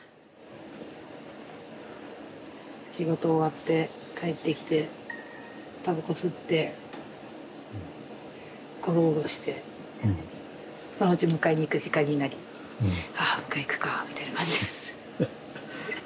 仕事終わって帰ってきてタバコ吸ってごろごろしてそのうち迎えに行く時間になりあ迎えに行くかみたいな感じです。